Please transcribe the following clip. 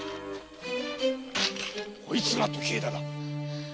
こいつが時枝だ。